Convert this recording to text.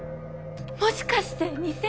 もしかして偽物？